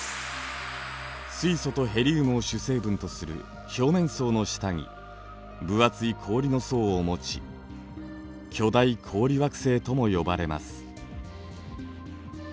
水素とヘリウムを主成分とする表面層の下に分厚い氷の層を持ち巨大氷惑星とも呼ばれます。